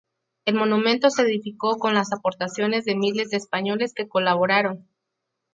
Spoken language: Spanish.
El monumento se edificó con las aportaciones de miles de españoles que colaboraron.